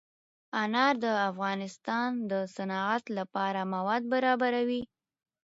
انار د افغانستان د صنعت لپاره مواد برابروي.